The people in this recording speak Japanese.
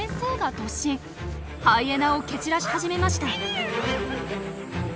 ハイエナを蹴散らし始めました。